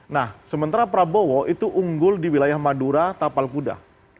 nah sementara prabowo itu unggul di wilayah madura tapal kuda